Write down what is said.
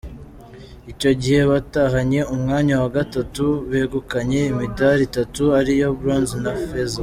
Icyo gihe batahanye umwanya wa gatatu, begukanye imidari itatu ariyo Bronze na Feza.